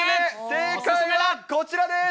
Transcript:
正解はこちらです。